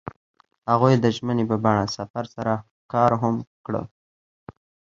هغوی د ژمنې په بڼه سفر سره ښکاره هم کړه.